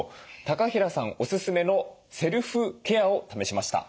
高平さんおすすめのセルフケアを試しました。